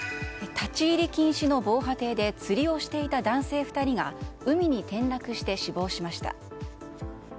立ち入り禁止の防波堤で釣りをしていた男性２人が海に転落して死亡しました。